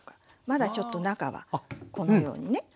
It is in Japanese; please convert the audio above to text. まだちょっと中はこのようにね。